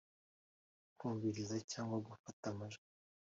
Kumviriza cyangwa gufata amajwi